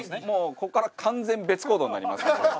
ここから完全別行動になります。